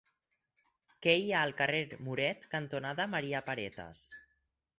Què hi ha al carrer Muret cantonada Maria Paretas?